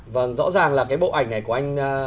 vâng rõ ràng là cái bộ ảnh này của anh